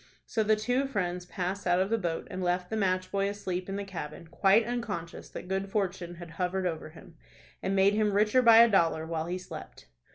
So the two friends passed out of the boat, and left the match boy asleep in the cabin, quite unconscious that good fortune had hovered over him, and made him richer by a dollar, while he slept.